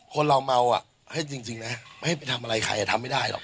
คนเราเมาอ่ะให้จริงนะไม่ให้ไปทำอะไรใครทำไม่ได้หรอก